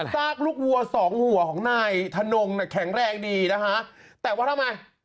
บ้านเลขที่๒หัวทานงแข็งแรงดีเนี่ยะฮะแตกว่าทำไม